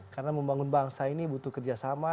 karena membangun bangsa ini butuh kerjasama